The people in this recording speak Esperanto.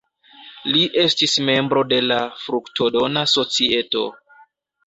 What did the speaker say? Li estis membro de la Fruktodona Societo.